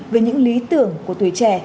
với những lý tưởng của tuổi trẻ